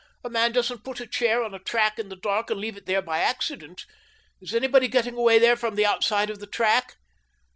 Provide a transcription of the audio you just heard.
A man doesn't put a chair on a track in the dark and leave it there by accident. Is anybody getting away there from the outside of the track?"